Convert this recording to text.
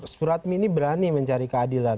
surat mi ini berani mencari keadilan